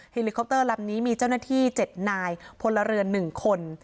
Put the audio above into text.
ลิคอปเตอร์ลำนี้มีเจ้าหน้าที่๗นายพลเรือน๑คน